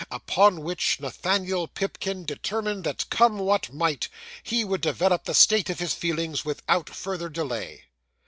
Upon which Nathaniel Pipkin determined, that, come what might, he would develop the state of his feelings, without further delay.